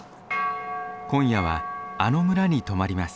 今夜はあの村に泊まります。